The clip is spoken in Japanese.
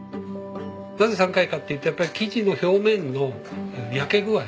なぜ３回かっていうとやっぱり生地の表面の焼け具合。